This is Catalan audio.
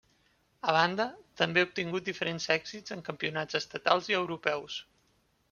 A banda, també ha obtingut diferents èxits en campionats estatals i europeus.